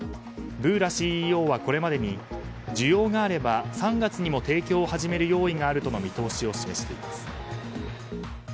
ブーラＣＥＯはこれまでに需要があれば３月にも提供を始める用意があるとの見通しを示しています。